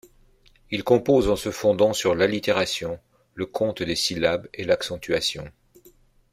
Il compose en se fondant sur l'allitération, le compte des syllabes et l'accentuation.